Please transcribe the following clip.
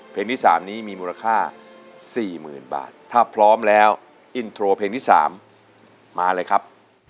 เพลงที่๓นี้มีมูลค่า๔๐๐๐บาทถ้าพร้อมแล้วอินโทรเพลงที่๓มาเลยครับ